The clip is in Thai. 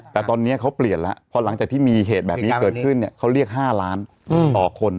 แต่ตอนนี้เขาเปลี่ยนแล้วพอหลังจากที่มีเหตุแบบนี้เกิดขึ้นเขาเรียก๕ล้านต่อคน